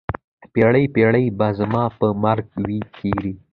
پیړۍ، پیړۍ به زما په مرګ وي تېرې